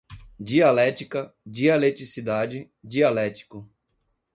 Dialética, dialeticidade, dialético